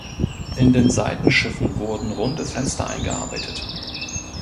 In den Seitenschiffen wurden runde Fenster eingearbeitet.